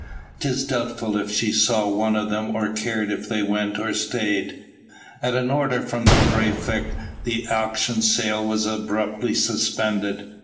'Tis doubtful if she saw one of them or cared if they went or stayed. At an order from the praefect the auction sale was abruptly suspended.